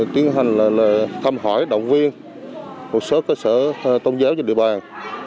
tiến hành thăm hỏi động viên một số cơ sở tôn giáo trên địa bàn